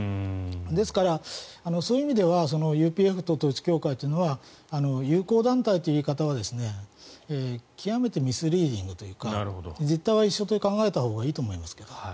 ですから、そういう意味ではＵＰＦと統一教会というのは友好団体という言い方は極めてミスリードというか実態は一緒と考えたほうがいいと思います。